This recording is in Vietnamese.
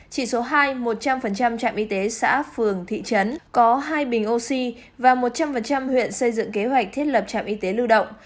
chỉ số hai một trăm linh trạm y tế xã phường thị trấn có hai bình oxy và một trăm linh huyện xây dựng kế hoạch thiết lập trạm y tế lưu động